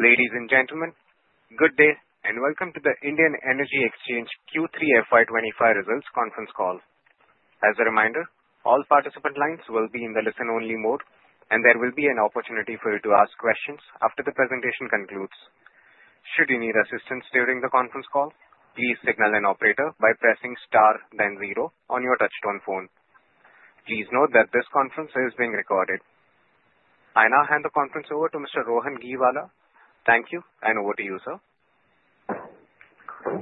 Ladies and gentlemen, good day and welcome to the Indian Energy Exchange Q3 FY25 results conference call. As a reminder, all participant lines will be in the listen-only mode, and there will be an opportunity for you to ask questions after the presentation concludes. Should you need assistance during the conference call, please signal an operator by pressing star, then zero on your touch-tone phone. Please note that this conference is being recorded. I now hand the conference over to Mr. Rohan Gheewala. Thank you, and over to you, sir.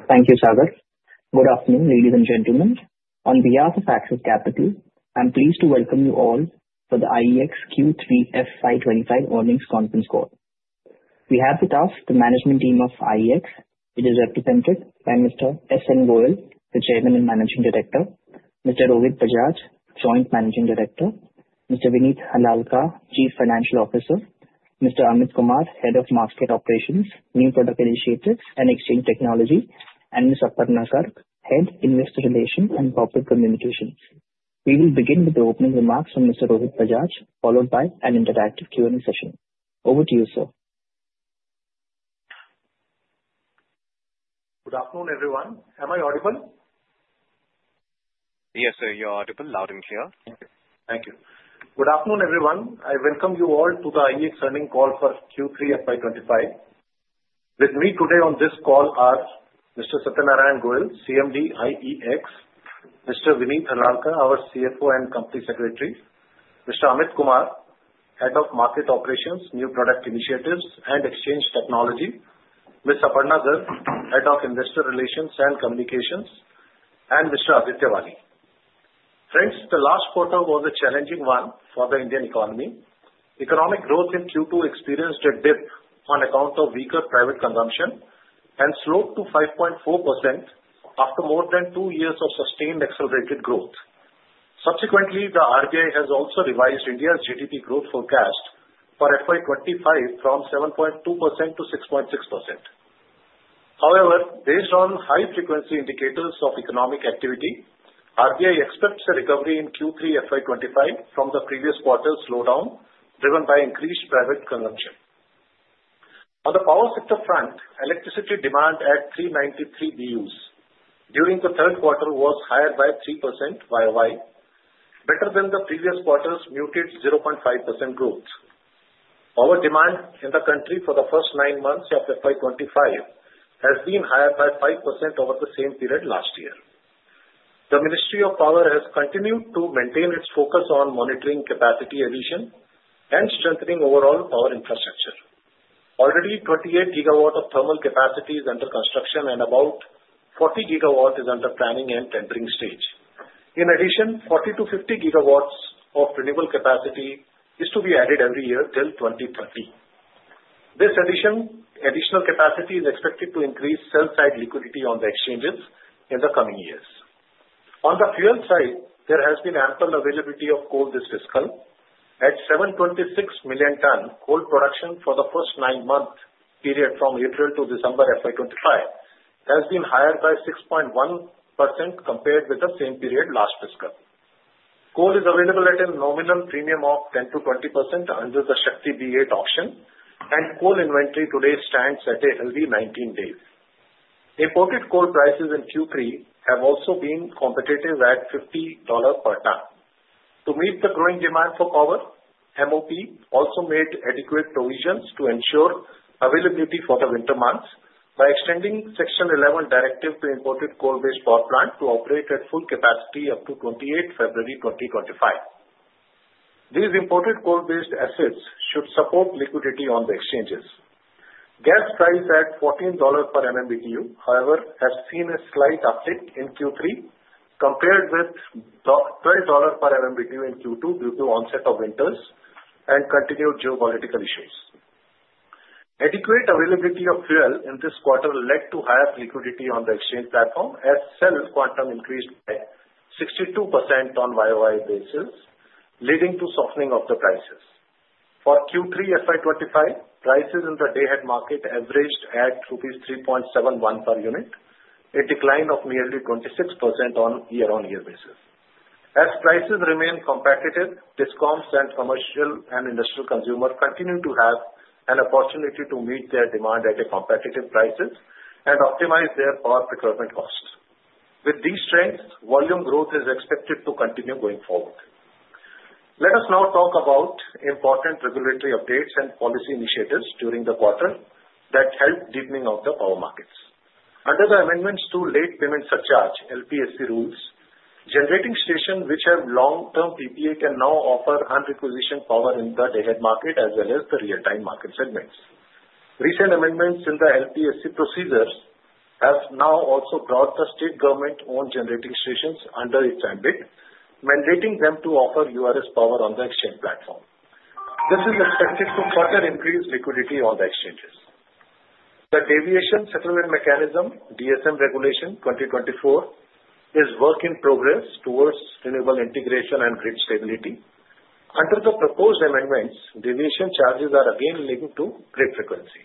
Thank you, Sagar. Good afternoon, ladies and gentlemen. On behalf of Axis Capital, I'm pleased to welcome you all for the IEX Q3 FY25 earnings conference call. We have with us the management team of IEX, which is represented by Mr. S. N. Goel, the Chairman and Managing Director, Mr. Rohit Bajaj, Joint Managing Director, Mr. Vineet Harlalka, Chief Financial Officer, Mr. Amit Kumar, Head of Market Operations, New Product Initiatives and Exchange Technology, and Ms. Aparna Garg, Head of Investor Relations and Corporate Communications. We will begin with the opening remarks from Mr. Rohit Bajaj, followed by an interactive Q&A session. Over to you, sir. Good afternoon, everyone. Am I audible? Yes, sir, you're audible loud and clear. Thank you. Good afternoon, everyone. I welcome you all to the IEX earnings call for Q3 FY25. With me today on this call are Mr. Satyanarayan Goel, CMD IEX; Mr. Vineet Harlalka, our CFO and Company Secretary; Mr. Amit Kumar, Head of Market Operations, New Product Initiatives and Exchange Technology; Ms. Aparna Garg, Head of Investor Relations and Communications; and Mr. Aditya Wali. Friends, the last quarter was a challenging one for the Indian economy. Economic growth in Q2 experienced a dip on account of weaker private consumption and slowed to 5.4% after more than two years of sustained accelerated growth. Subsequently, the RBI has also revised India's GDP growth forecast for FY25 from 7.2%-6.6%. However, based on high-frequency indicators of economic activity, RBI expects a recovery in Q3 FY25 from the previous quarter's slowdown driven by increased private consumption. On the power sector front, electricity demand at 393 BUs during the third quarter was higher by 3% YOY, better than the previous quarter's muted 0.5% growth. Power demand in the country for the first nine months of FY25 has been higher by 5% over the same period last year. The Ministry of Power has continued to maintain its focus on monitoring capacity addition and strengthening overall power infrastructure. Already, 28 GW of thermal capacity is under construction, and about 40 GW is under planning and tendering stage. In addition, 40-50 GW of renewable capacity is to be added every year till 2030. This additional capacity is expected to increase sell-side liquidity on the exchanges in the coming years. On the fuel side, there has been ample availability of coal this fiscal. At 726 million tons of coal production for the first nine-month period from April to December FY25 has been higher by 6.1% compared with the same period last fiscal. Coal is available at a nominal premium of 10%-20% under the SHAKTI B(viii) option, and coal inventory today stands at a healthy 19 days. Imported coal prices in Q3 have also been competitive at $50 per ton. To meet the growing demand for power, MOP also made adequate provisions to ensure availability for the winter months by extending Section 11 Directive to imported coal-based power plants to operate at full capacity up to 28 February 2025. These imported coal-based assets should support liquidity on the exchanges. Gas prices at $14 per MMBtu, however, have seen a slight uptick in Q3 compared with $12 per MMBtu in Q2 due to the onset of winters and continued geopolitical issues. Adequate availability of fuel in this quarter led to higher liquidity on the exchange platform, as sell quantum increased by 62% on YOY basis, leading to the softening of the prices. For Q3 FY25, prices in the day-ahead market averaged at rupees 3.71 per unit, a decline of nearly 26% on year-on-year basis. As prices remain competitive, discoms and commercial and industrial consumers continue to have an opportunity to meet their demand at competitive prices and optimize their power procurement costs. With these trends, volume growth is expected to continue going forward. Let us now talk about important regulatory updates and policy initiatives during the quarter that help the deepening of the power markets. Under the amendments to Late Payment Surcharge (LPSC) rules, generating stations which have long-term PPA can now offer unrequisitioned power in the day-ahead market as well as the real-time market segments. Recent amendments in the LPSC procedures have now also brought the state government-owned generating stations under its mandate, mandating them to offer URS power on the exchange platform. This is expected to further increase liquidity on the exchanges. The Deviation Settlement Mechanism (DSM regulation 2024) is a work in progress towards renewable integration and grid stability. Under the proposed amendments, deviation charges are again linked to grid frequency.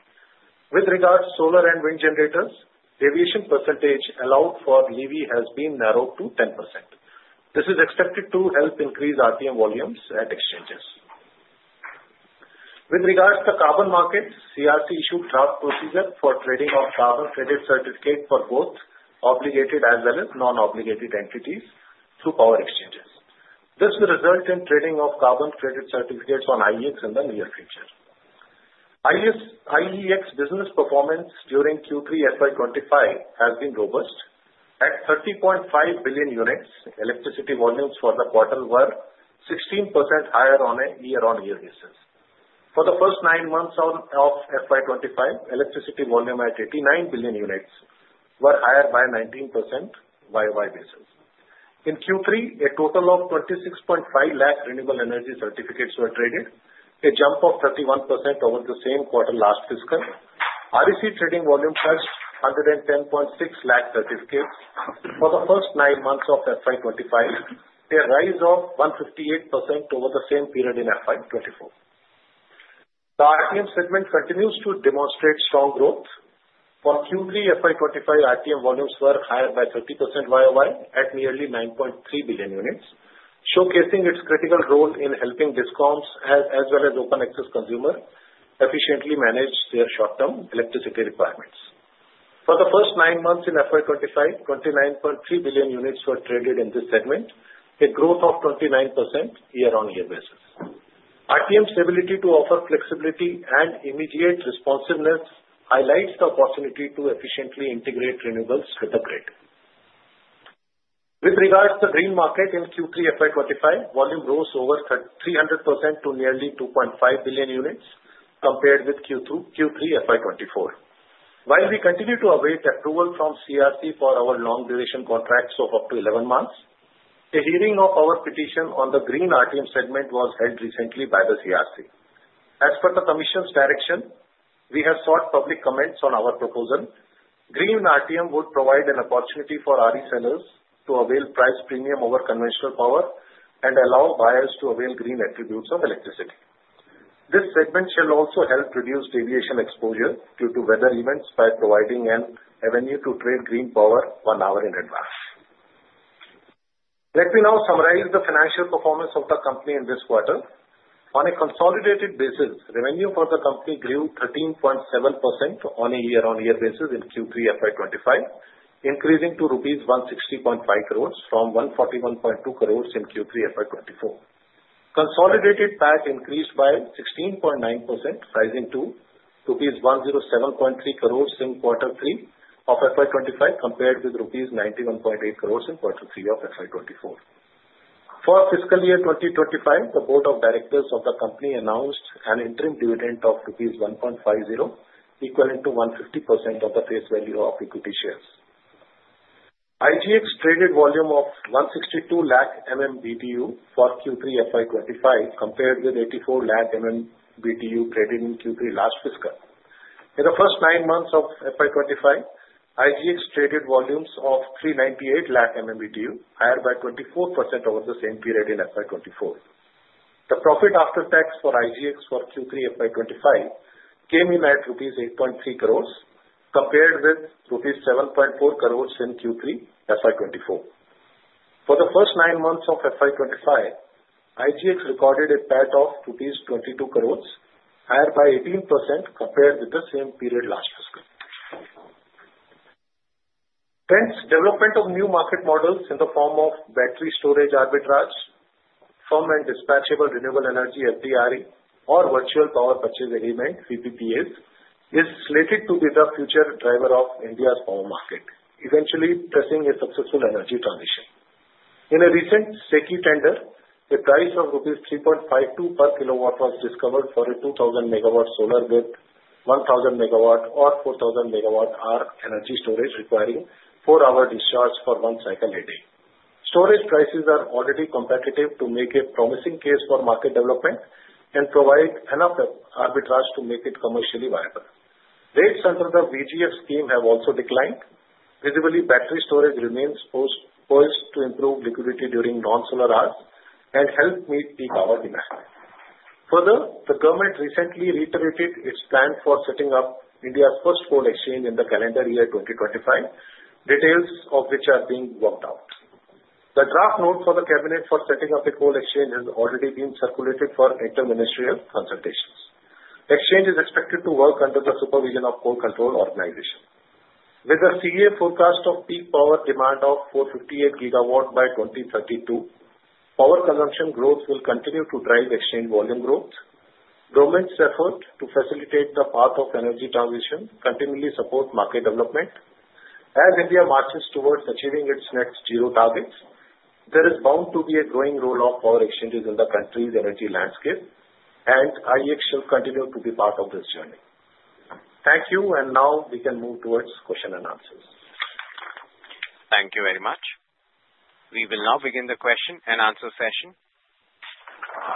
With regards to solar and wind generators, the deviation percentage allowed for RE has been narrowed to 10%. This is expected to help increase RTM volumes at exchanges. With regards to the carbon market, CERC issued a draft procedure for trading of carbon credit certificates for both obligated as well as non-obligated entities through power exchanges. This will result in the trading of carbon credit certificates on IEX in the near future. IEX business performance during Q3 FY25 has been robust. At 30.5 billion units, electricity volumes for the quarter were 16% higher on a year-on-year basis. For the first nine months of FY25, electricity volume at 89 billion units was higher by 19% YOY basis. In Q3, a total of 26.5 lakh renewable energy certificates were traded, a jump of 31% over the same quarter last fiscal. REC trading volume touched 110.6 lakh certificates for the first nine months of FY25, a rise of 158% over the same period in FY24. The RTM segment continues to demonstrate strong growth. For Q3 FY25, RTM volumes were higher by 30% YOY at nearly 9.3 billion units, showcasing its critical role in helping discoms as well as open-access consumers efficiently manage their short-term electricity requirements. For the first nine months in FY25, 29.3 billion units were traded in this segment, a growth of 29% year-on-year basis. RTM's ability to offer flexibility and immediate responsiveness highlights the opportunity to efficiently integrate renewables with the grid. With regards to the green market in Q3 FY25, volume rose over 300% to nearly 2.5 billion units compared with Q3 FY24. While we continue to await approval from CERC for our long-duration contracts of up to 11 months, a hearing of our petition on the green RTM segment was held recently by the CERC. As per the Commission's direction, we have sought public comments on our proposal. Green RTM would provide an opportunity for RE sellers to avail price premium over conventional power and allow buyers to avail green attributes of electricity. This segment shall also help reduce deviation exposure due to weather events by providing an avenue to trade green power one hour in advance. Let me now summarize the financial performance of the company in this quarter. On a consolidated basis, revenue for the company grew 13.7% on a year-on-year basis in Q3 FY25, increasing to 160.5 crores rupees from 141.2 crores in Q3 FY24. Consolidated PAT increased by 16.9%, rising to rupees 107.3 crores in Q3 of FY25 compared with rupees 91.8 crores in Q3 of FY24. For fiscal year 2025, the Board of Directors of the company announced an interim dividend of rupees 1.50, equivalent to 150% of the face value of equity shares. IGX traded volume of 162 lakh MMBTU for Q3 FY25 compared with 84 lakh MMBTU traded in Q3 last fiscal. In the first nine months of FY25, IGX traded volumes of 398 lakh MMBTU, higher by 24% over the same period in FY24. The profit after-tax for IGX for Q3 FY25 came in at 8.3 crores rupees compared with 7.4 crores rupees in Q3 FY24. For the first nine months of FY25, IGX recorded a PAT of 22 crores, higher by 18% compared with the same period last fiscal. Hence, development of new market models in the form of battery storage arbitrage, Firm and Dispatchable Renewable Energy FDRE, or virtual power purchase agreement (VPPAs) is slated to be the future driver of India's power market, eventually pressing a successful energy transition. In a recent SECI tender, the price of INR 3.52 per kilowatt was discovered for a 2,000 megawatt solar with 1,000 megawatt or 4,000 megawatt hour energy storage requiring four-hour discharge for one cycle a day. Storage prices are already competitive to make a promising case for market development and provide enough arbitrage to make it commercially viable. Rates under the VGF scheme have also declined. Visibly, battery storage remains poised to improve liquidity during non-solar hours and help meet the power demand. Further, the government recently reiterated its plan for setting up India's first coal exchange in the calendar year 2025, details of which are being worked out. The draft note for the cabinet for setting up a coal exchange has already been circulated for inter-ministerial consultations. The exchange is expected to work under the supervision of the Coal Controller's Organization. With the CEA forecast of peak power demand of 458 GW by 2032, power consumption growth will continue to drive exchange volume growth. The government's effort to facilitate the path of energy transition continually supports market development. As India marches towards achieving its net zero targets, there is bound to be a growing role of power exchanges in the country's energy landscape, and IEX shall continue to be part of this journey. Thank you, and now we can move towards questions and answers. Thank you very much. We will now begin the question and answer session.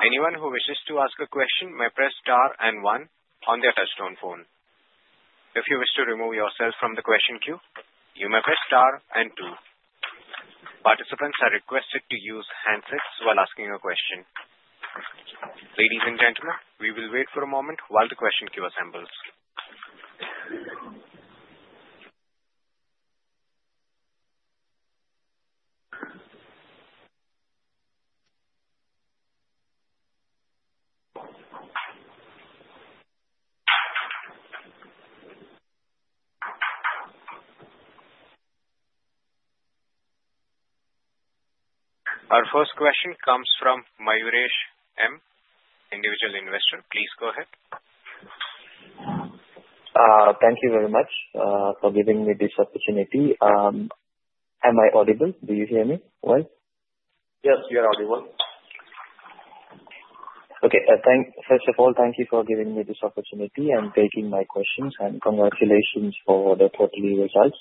Anyone who wishes to ask a question may press star and one on their touch-tone phone. If you wish to remove yourself from the question queue, you may press star and two. Participants are requested to use handsets while asking a question. Ladies and gentlemen, we will wait for a moment while the question queue assembles. Our first question comes from Mayuresh M., individual investor. Please go ahead. Thank you very much for giving me this opportunity. Am I audible? Do you hear me well? Yes, you're audible. Okay. First of all, thank you for giving me this opportunity and taking my questions, and congratulations for the quarterly results.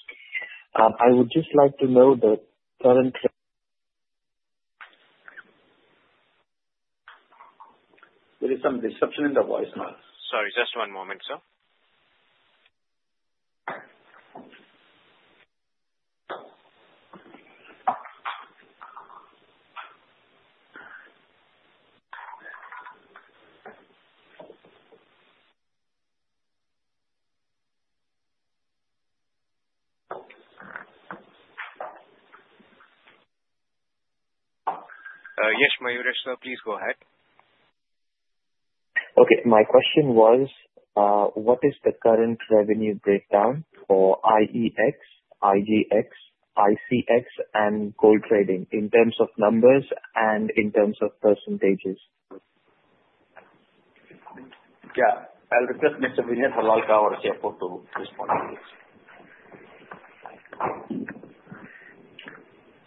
I would just like to know the current. There is some disruption in the voicemail. Sorry, just one moment, sir. Yes, Mayuresh sir, please go ahead. Okay. My question was, what is the current revenue breakdown for IEX, IGX, ICX, and coal trading in terms of numbers and in terms of percentages? Yeah. I'll request Mr. Vineet Harlalka our CFO to respond to this.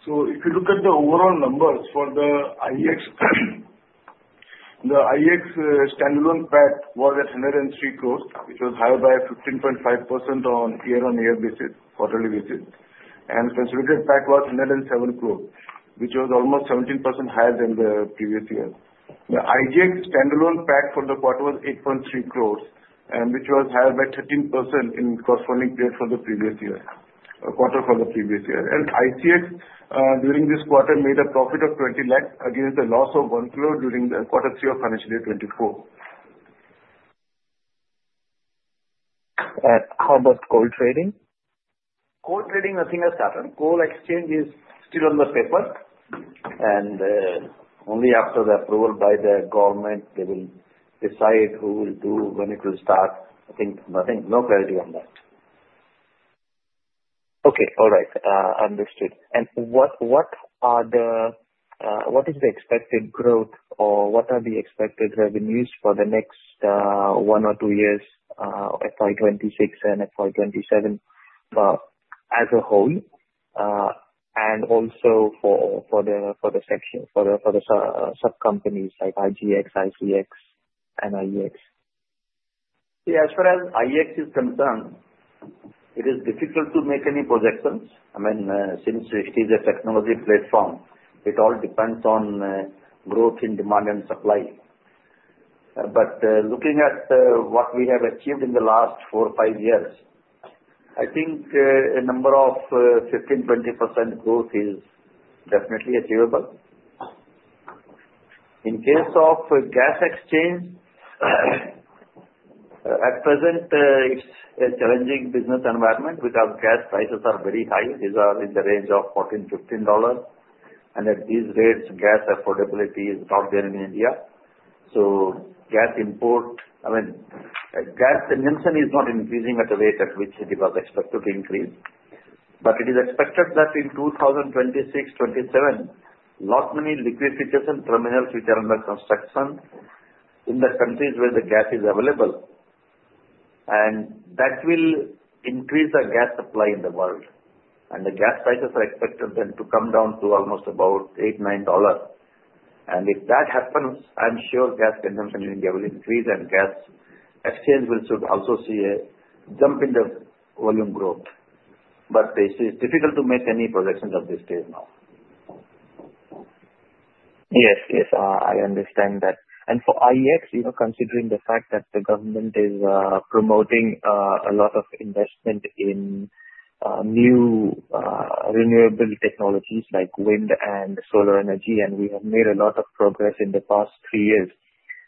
So if you look at the overall numbers for the IEX, the IEX standalone PAT was at 103 crores, which was higher by 15.5% on a year-on-year basis, quarterly basis. And the consolidated PAT was 107 crores, which was almost 17% higher than the previous year. The IGX standalone PAT for the quarter was 8.3 crores, which was higher by 13% in the corresponding period for the previous year, quarter for the previous year. And ICX, during this quarter, made a profit of 20 lakh against a loss of 1 crore during the quarter three of financial year 2024. How about coal trading? Coal trading, nothing has happened. Coal exchange is still on paper, and only after the approval by the government, they will decide who will do, when it will start. I think nothing, no clarity on that. Okay. All right. Understood. And what is the expected growth or what are the expected revenues for the next one or two years, FY26 and FY27, as a whole, and also for the subcompanies like IGX, ICX, and IEX? Yeah. As far as IEX is concerned, it is difficult to make any projections. I mean, since it is a technology platform, it all depends on growth in demand and supply. But looking at what we have achieved in the last four or five years, I think a number of 15%-20% growth is definitely achievable. In case of gas exchange, at present, it's a challenging business environment because gas prices are very high. These are in the range of $14-$15. And at these rates, gas affordability is not there in India. So gas import, I mean, gas consumption is not increasing at a rate at which it was expected to increase. But it is expected that in 2026-2027, a lot many LNG terminals which are under construction in the countries where the gas is available. That will increase the gas supply in the world. The gas prices are expected then to come down to almost about $8-$9. If that happens, I'm sure gas consumption in India will increase, and gas exchange will also see a jump in the volume growth. It is difficult to make any projections at this stage now. Yes, yes. I understand that. And for IEX, considering the fact that the government is promoting a lot of investment in new renewable technologies like wind and solar energy, and we have made a lot of progress in the past three years,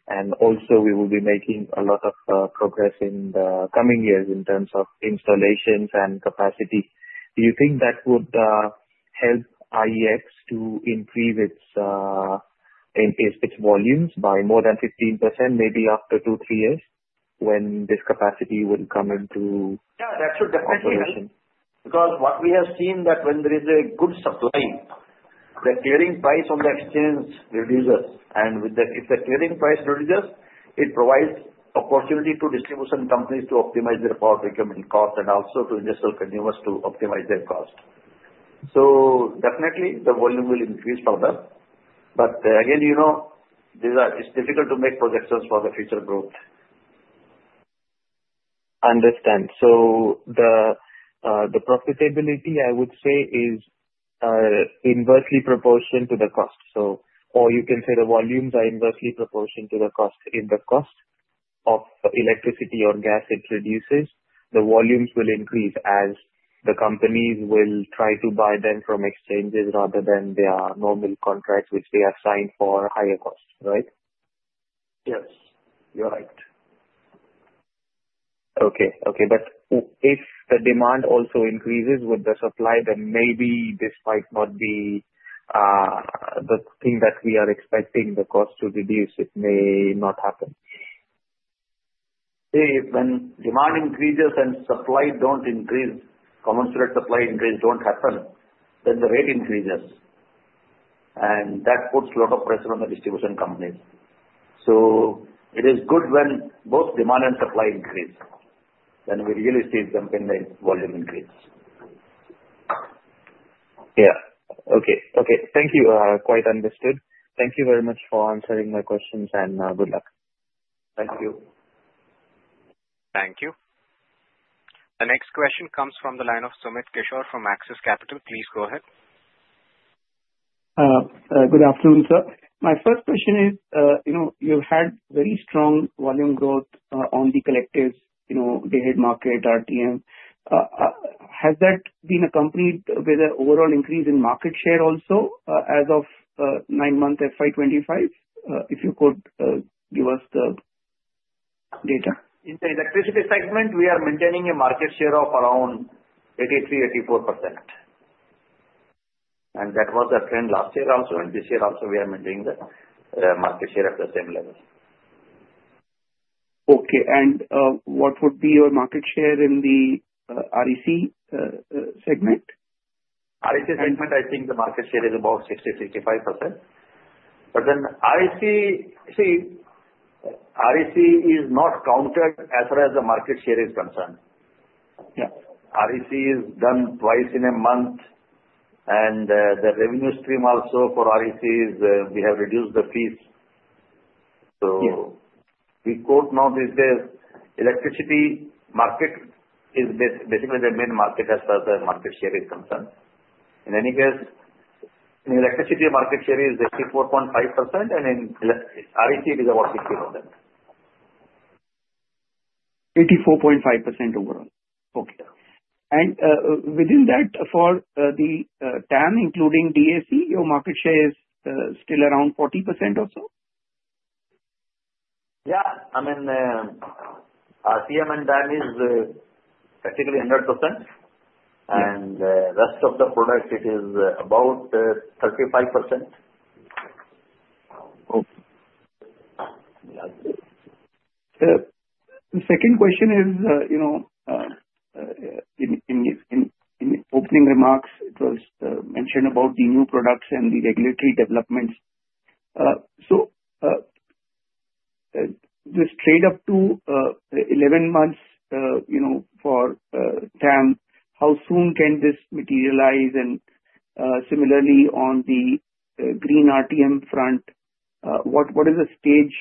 and also we will be making a lot of progress in the coming years in terms of installations and capacity, do you think that would help IEX to increase its volumes by more than 15% maybe after two, three years when this capacity will come into? Yeah, that's your definition. Because what we have seen that when there is a good supply, the clearing price on the exchange reduces. And if the clearing price reduces, it provides opportunity to distribution companies to optimize their power requirement cost and also to industrial consumers to optimize their cost. So definitely, the volume will increase further. But again, it's difficult to make projections for the future growth. Understood. So the profitability, I would say, is inversely proportional to the cost. So, or you can say, the volumes are inversely proportional to the cost. If the cost of electricity or gas it reduces, the volumes will increase as the companies will try to buy them from exchanges rather than their normal contracts which they have signed for higher cost, right? Yes. You're right. Okay. But if the demand also increases with the supply, then maybe this might not be the thing that we are expecting the cost to reduce. It may not happen. See, when demand increases and supply don't increase, conventional supply increase don't happen, then the rate increases. And that puts a lot of pressure on the distribution companies. So it is good when both demand and supply increase. Then with real estate jumping, the volume increases. Yeah. Okay. Thank you. Quite understood. Thank you very much for answering my questions, and good luck. Thank you. Thank you. The next question comes from the line of Sumit Kishore from Axis Capital. Please go ahead. Good afternoon, sir. My first question is, you've had very strong volume growth on the G-DAM, day-ahead market, RTM. Has that been accompanied with an overall increase in market share also as of nine-month FY25? If you could give us the data. In the electricity segment, we are maintaining a market share of around 83%-84%. And that was the trend last year also. And this year also, we are maintaining the market share at the same level. Okay, and what would be your market share in the REC segment? REC segment, I think the market share is about 60%-65%. But then REC, see, REC is not counted as far as the market share is concerned. REC is done twice in a month. And the revenue stream also for REC is we have reduced the fees. So we quote now these days, electricity market is basically the main market as far as the market share is concerned. In any case, in electricity, the market share is 84.5%, and in REC, it is about 60%. 84.5% overall. Okay. And within that, for the TAM, including DAM, your market share is still around 40% or so? Yeah. I mean, RTM and TAM is basically 100%. And the rest of the product, it is about 35%. The second question is, in opening remarks, it was mentioned about the new products and the regulatory developments. So this trade-up to 11 months for TAM, how soon can this materialize? And similarly, on the green RTM front, what is the stage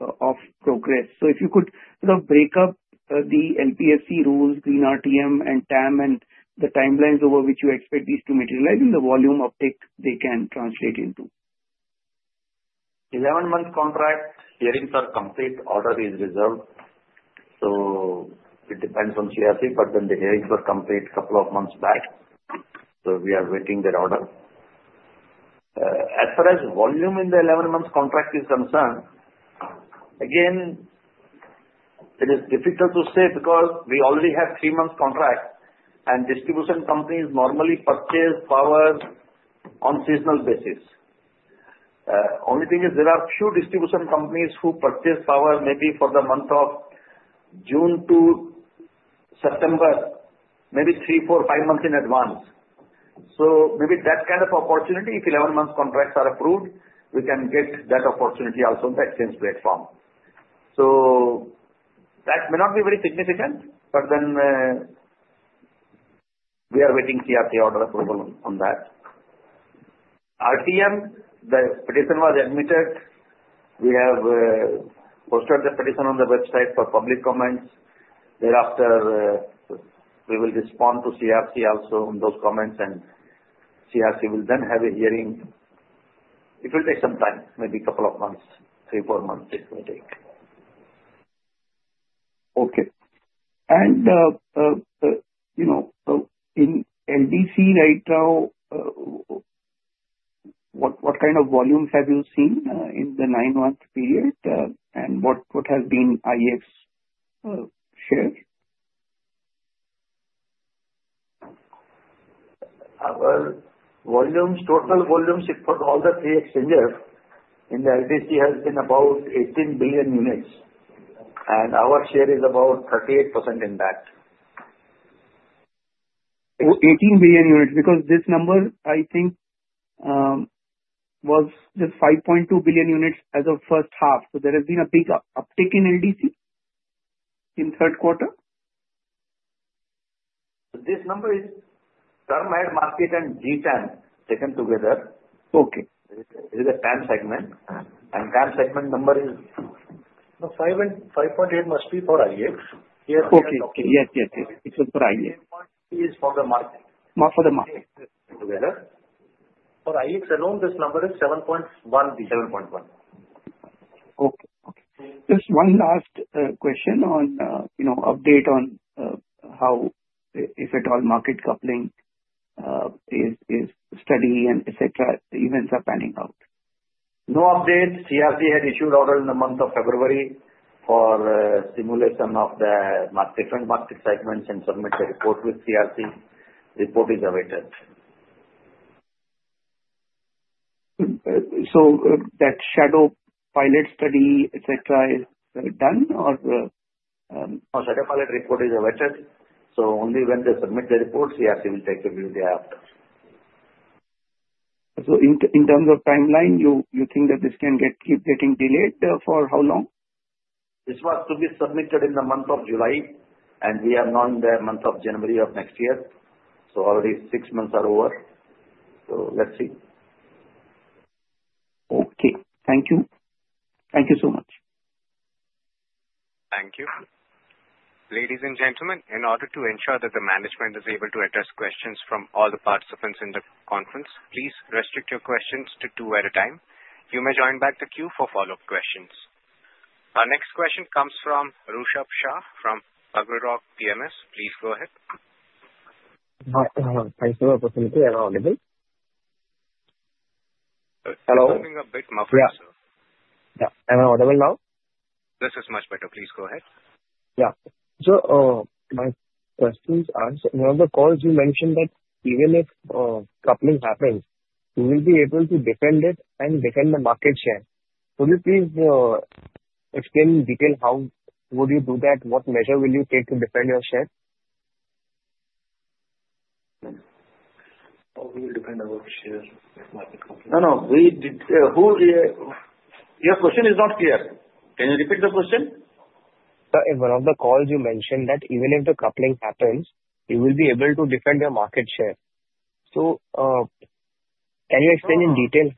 of progress? So if you could sort of break up the LPSC rules, green RTM, and TAM, and the timelines over which you expect these to materialize, and the volume uptake they can translate into. 11-month contract hearings are complete. Order is reserved. So it depends on CERC, but then the hearings were completed a couple of months back. So we are waiting their order. As far as volume in the 11-month contract is concerned, again, it is difficult to say because we already have three-month contracts, and distribution companies normally purchase power on seasonal basis. Only thing is there are few distribution companies who purchase power maybe for the month of June to September, maybe three, four, five months in advance. So maybe that kind of opportunity, if 11-month contracts are approved, we can get that opportunity also on the exchange platform. So that may not be very significant, but then we are waiting CERC order approval on that. RTM, the petition was admitted. We have posted the petition on the website for public comments. Thereafter, we will respond to CERC also on those comments, and CERC will then have a hearing. It will take some time, maybe a couple of months, three, four months it will take. Okay, and in LDC right now, what kind of volumes have you seen in the nine-month period, and what has been IEX share? Our volumes, total volumes for all the three exchanges in the LDC has been about 18 billion units, and our share is about 38% in that. 18 billion units. Because this number, I think, was just 5.2 billion units as of first half. So there has been a big uptake in LDC in third quarter? This number is Term-Ahead Market and G-TAM taken together. Okay. This is the TAM segment. TAM segment number is. 5.8 must be for IEX. Yes, yes, yes. It's for IEX. 8.3 is for the market. For the market. Together. For IEX alone, this number is 7.1 billion. Okay. Just one last question on update on how, if at all, Market Coupling is steady and etc., events are panning out? No update. CERC had issued order in the month of February for simulation of the different market segments and submit a report with CERC. Report is awaited. So that shadow pilot study, etc., is done or? No, shadow pilot report is awaited, so only when they submit the report, CERC will take a view thereafter. So in terms of timeline, you think that this can keep getting delayed for how long? This was to be submitted in the month of July, and we are now in the month of January of next year. So already six months are over. So let's see. Okay. Thank you. Thank you so much. Thank you. Ladies and gentlemen, in order to ensure that the management is able to address questions from all the participants in the conference, please restrict your questions to two at a time. You may join back the queue for follow-up questions. Our next question comes from Rushabh Shah from Girik Capital. Please go ahead. Thanks for the opportunity. Am I audible? Hello. I'm having a bit muffled, sir. Yeah. Am I audible now? This is much better. Please go ahead. Yeah. So my question is, one of the calls you mentioned that even if coupling happens, you will be able to defend it and defend the market share. Could you please explain in detail how would you do that? What measure will you take to defend your share? How will we defend our share? No, no. Your question is not clear. Can you repeat the question? In one of the calls, you mentioned that even if the coupling happens, you will be able to defend your market share. So can you explain in detail?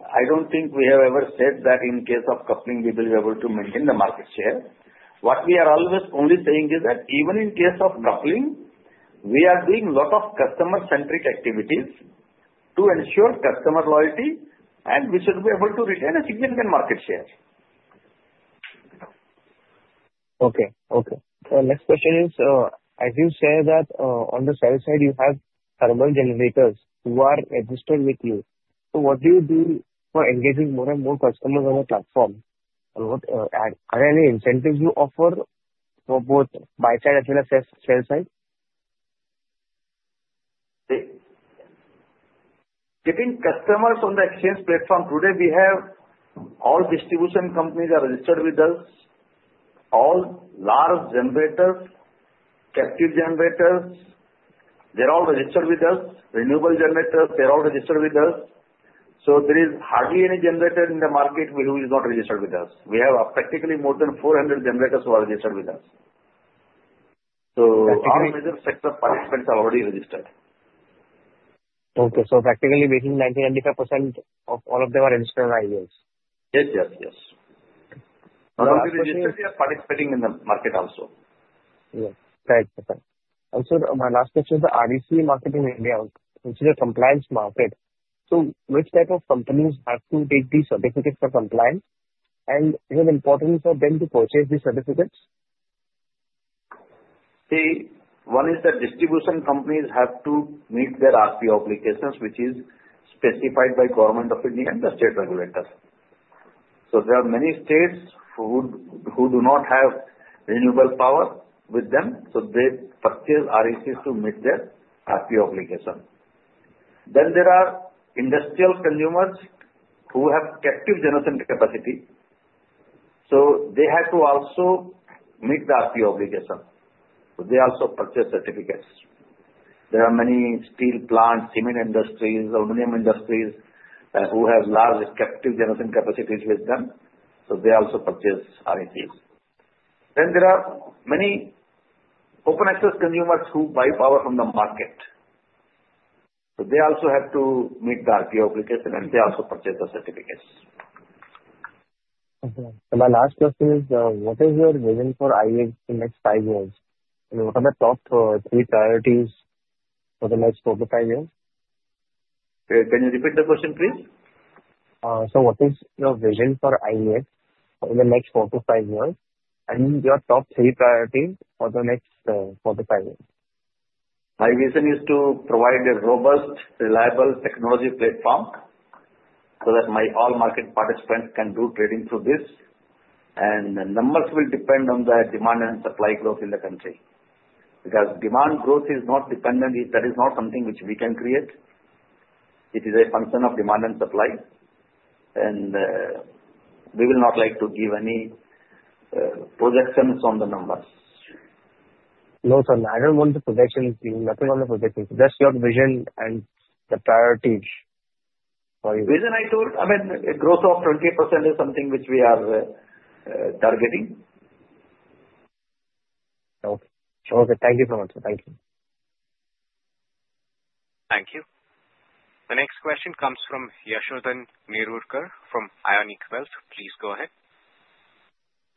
I don't think we have ever said that in case of coupling, we will be able to maintain the market share. What we are always only saying is that even in case of coupling, we are doing a lot of customer-centric activities to ensure customer loyalty, and we should be able to retain a significant market share. Okay. Okay, so next question is, as you said that on the sales side, you have thermal generators who are registered with you. So what do you do for engaging more and more customers on the platform? Are there any incentives you offer for both buy side as well as sales side? Getting customers on the exchange platform today, we have all distribution companies are registered with us. All large generators, captive generators, they're all registered with us. Renewable generators, they're all registered with us. So there is hardly any generator in the market who is not registered with us. We have practically more than 400 generators who are registered with us. So all major sector participants are already registered. Okay. So practically basically 90%-95% of all of them are registered with IEX. Yes, yes, yes. We are participating in the market also. Yes. Right. Also, my last question is the REC market in India, which is a compliance market. So which type of companies have to take these certificates for compliance? And is it important for them to purchase these certificates? See, one is that distribution companies have to meet their RPO obligations, which is specified by the Government of India and the state regulators. So there are many states who do not have renewable power with them, so they purchase RECs to meet their RPO obligation. Then there are industrial consumers who have captive generation capacity. So they have to also meet the RPO obligation. So they also purchase certificates. There are many steel plants, cement industries, aluminum industries who have large captive generation capacities with them. So they also purchase RECs. Then there are many open access consumers who buy power from the market. So they also have to meet the RPO obligation, and they also purchase the certificates. My last question is, what is your vision for IEX in the next five years? And what are the top three priorities for the next four to five years? Can you repeat the question, please? So what is your vision for IEX in the next 4-5 years? And your top three priorities for the next four to five years? My vision is to provide a robust, reliable technology platform so that all market participants can do trading through this, and the numbers will depend on the demand and supply growth in the country. Because demand growth is not dependent. That is not something which we can create. It is a function of demand and supply, and we will not like to give any projections on the numbers. No, sir. I don't want the projections. Nothing on the projections. Just your vision and the priorities for you. Vision I told, I mean, a growth of 20% is something which we are targeting. Okay. Okay. Thank you so much. Thank you. Thank you. The next question comes from Yashodhan Nerurkar from Ionic Wealth. Please go ahead.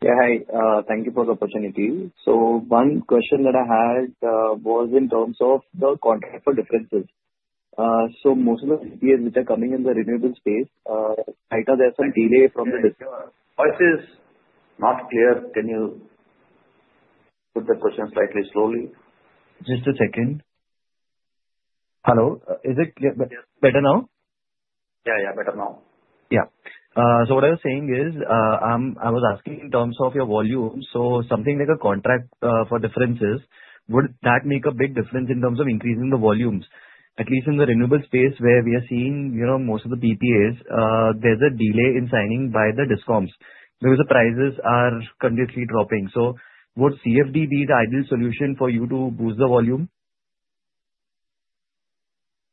Yeah. Hi. Thank you for the opportunity. So one question that I had was in terms of the contract for differences. So most of the PPAs which are coming in the renewable space, either there's a delay from the. Voice is not clear. Can you put the question slightly slowly? Just a second. Hello. Is it better now? Yeah, yeah. Better now. Yeah. So what I was saying is, I was asking in terms of your volume. So something like a Contract for Differences, would that make a big difference in terms of increasing the volumes? At least in the renewable space where we are seeing most of the PPAs, there's a delay in signing by the discoms because the prices are continuously dropping. So would CFD be the ideal solution for you to boost the volume?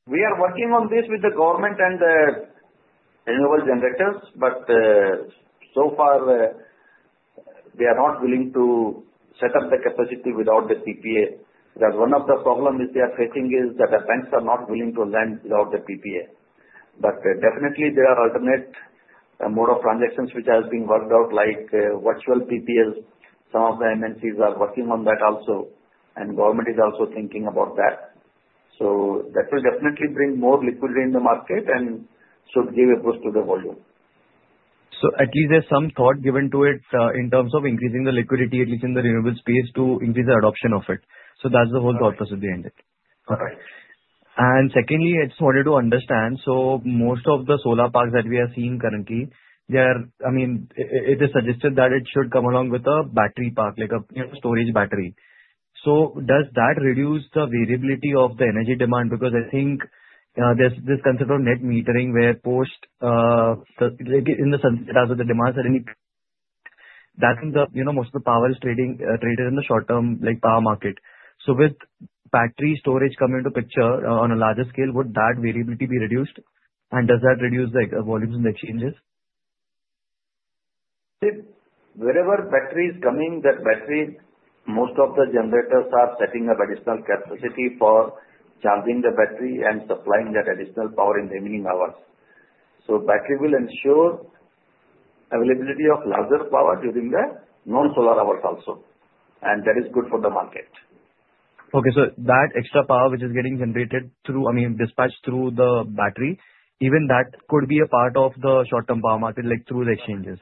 We are working on this with the government and the renewable generators, but so far, they are not willing to set up the capacity without the PPA. Because one of the problems they are facing is that the banks are not willing to lend without the PPA. But definitely, there are alternate mode of transactions which are being worked out, like virtual PPAs. Some of the MNCs are working on that also, and government is also thinking about that, so that will definitely bring more liquidity in the market and should give a boost to the volume. So at least there's some thought given to it in terms of increasing the liquidity, at least in the renewable space, to increase the adoption of it. So that's the whole thought process behind it. Correct. And secondly, I just wanted to understand. So most of the solar parks that we are seeing currently, I mean, it is suggested that it should come along with a battery park, like a storage battery. So does that reduce the variability of the energy demand? Because I think there's this concept of net metering where post sunset as the demand certainly that's when most of the power is traded in the short-term power market. So with battery storage coming into picture on a larger scale, would that variability be reduced? And does that reduce the volumes and the exchanges? Wherever battery is coming, that battery, most of the generators are setting up additional capacity for charging the battery and supplying that additional power in the remaining hours. So battery will ensure availability of larger power during the non-solar hours also. And that is good for the market. Okay, so that extra power which is getting generated through, I mean, dispatched through the battery, even that could be a part of the short-term power market through the exchanges.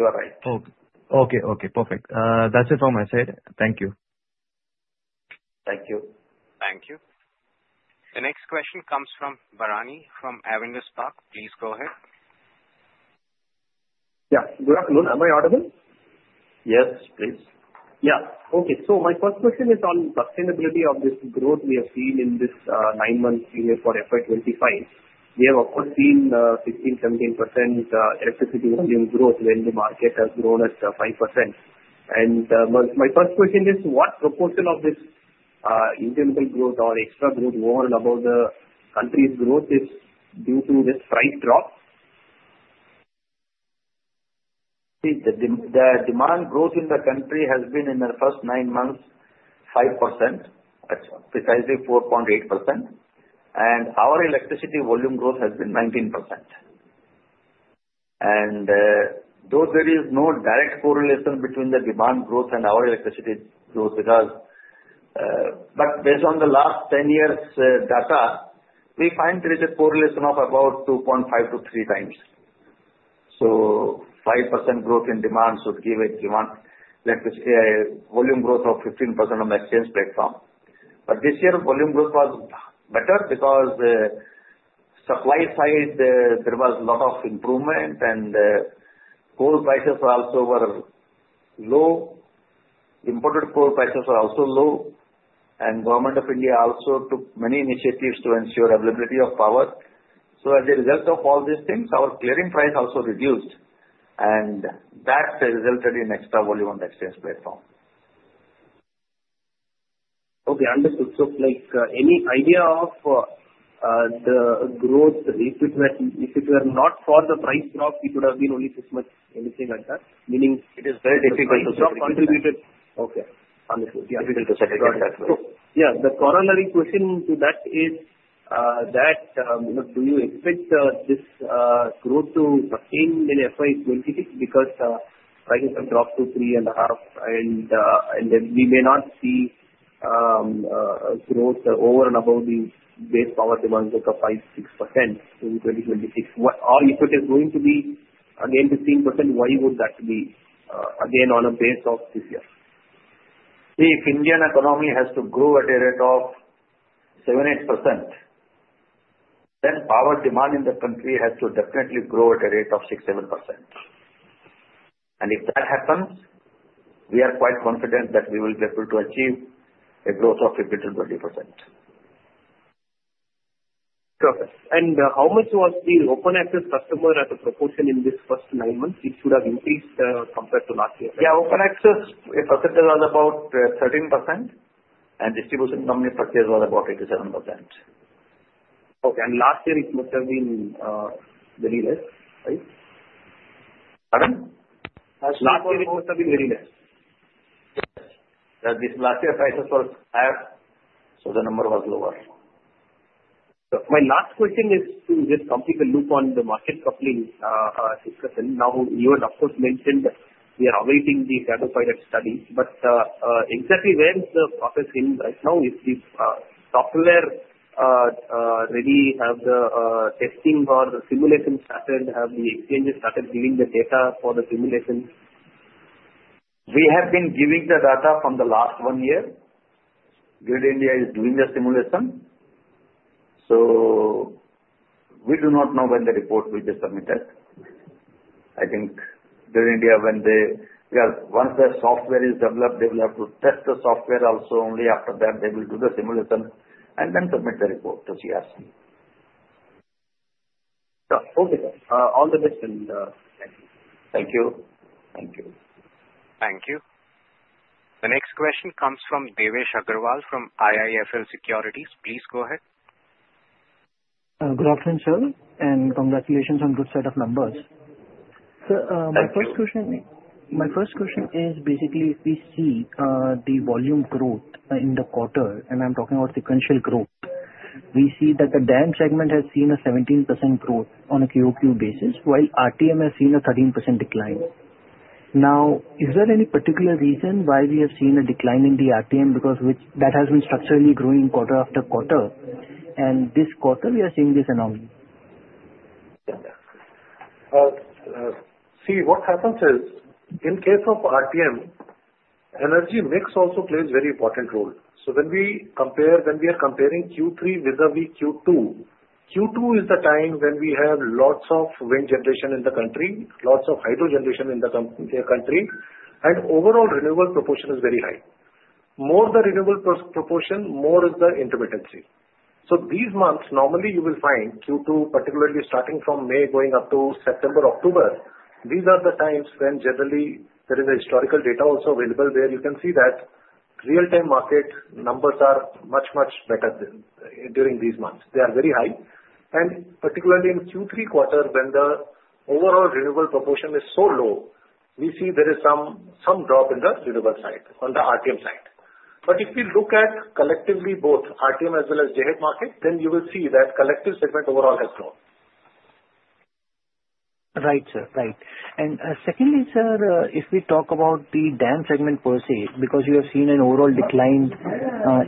You are right. Okay. Okay. Perfect. That's it from my side. Thank you. Thank you. Thank you. The next question comes from Bharanidhar from Avendus Spark. Please go ahead. Yeah. Good afternoon. Am I audible? Yes, please. Yeah. Okay. So my first question is on sustainability of this growth we have seen in this nine-month period for FY25. We have, of course, seen 16%-17% electricity volume growth when the market has grown at 5%. And my first question is, what proportion of this renewable growth or extra growth over and above the country's growth is due to this price drop? The demand growth in the country has been in the first nine months 5%, precisely 4.8%. And our electricity volume growth has been 19%. And though there is no direct correlation between the demand growth and our electricity growth, but based on the last 10 years' data, we find there is a correlation of about 2.5-3 times. So 5% growth in demand should give a demand volume growth of 15% on the exchange platform. But this year, volume growth was better because supply side, there was a lot of improvement, and coal prices also were low. Imported coal prices were also low. And Government of India also took many initiatives to ensure availability of power. So as a result of all these things, our clearing price also reduced. And that resulted in extra volume on the exchange platform. Okay. Understood. So any idea of the growth, if it were not for the price drop, it would have been only this much, anything like that? Meaning. It is very difficult to say. Okay. Understood. Yeah, difficult to say. Got it. Yeah, the corollary question to that is that do you expect this growth to sustain in FY26 because prices have dropped to 3.5, and then we may not see growth over and above the base power demand of 5%-6% in 2026? Or if it is going to be again 15%, why would that be again on a base of this year? See, if Indian economy has to grow at a rate of 7%-8%, then power demand in the country has to definitely grow at a rate of 6%-7%. And if that happens, we are quite confident that we will be able to achieve a growth of 15%-20%. Perfect. And how much was the open access customer as a proportion in this first nine months? It should have increased compared to last year. Yeah. Open access purchases were about 13%, and distribution company purchases were about 87%. Okay. And last year, it must have been very less, right? Pardon? Last year, it must have been very less. Yes. Last year, prices were higher, so the number was lower. My last question is to just complete a loop on the Market Coupling discussion. Now, you had, of course, mentioned that we are awaiting the Shadow Pilot study. But exactly where is the process in right now? Is the software ready? Have the testing or simulation started? Have the exchanges started giving the data for the simulation? We have been giving the data from the last one year. Grid India is doing the simulation. So we do not know when the report will be submitted. I think Grid India, when, once the software is developed, they will have to test the software also. Only after that, they will do the simulation and then submit the report to CERC. Okay. All the best. Thank you. Thank you. Thank you. Thank you. The next question comes from Devesh Agarwal from IIFL Securities. Please go ahead. Good afternoon, sir. And congratulations on a good set of numbers. So my first question is basically if we see the volume growth in the quarter, and I'm talking about sequential growth, we see that the DAM segment has seen a 17% growth on a QOQ basis, while RTM has seen a 13% decline. Now, is there any particular reason why we have seen a decline in the RTM because that has been structurally growing quarter after quarter? And this quarter, we are seeing this anomaly. See, what happens is, in case of RTM, energy mix also plays a very important role. So when we are comparing Q3 vis-à-vis Q2, Q2 is the time when we have lots of wind generation in the country, lots of hydro generation in the country, and overall renewable proportion is very high. More the renewable proportion, more is the intermittency. So these months, normally you will find Q2, particularly starting from May going up to September, October, these are the times when generally there is a historical data also available where you can see that real-time market numbers are much, much better during these months. They are very high. And particularly in Q3 quarter, when the overall renewable proportion is so low, we see there is some drop in the renewable side on the RTM side. But if we look at collectively both RTM as well as G-DAM market, then you will see that collective segment overall has grown. Right, sir. Right. And secondly, sir, if we talk about the DAM segment per se, because you have seen an overall decline